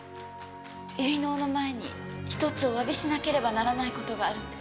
結納の前に一つおわびしなければならないことがあるんです。